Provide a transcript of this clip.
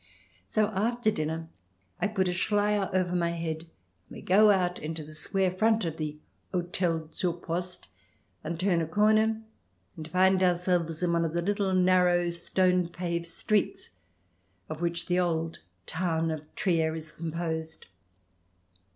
So after dinner I put a Schleier over my head, and we go out into the square front of the Hotel zur Post and turn a corner and find ourselves in one of the little narrow, stone paved streets of which the old town of Trier is composed.